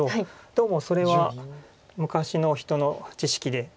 どうもそれは昔の人の知識で。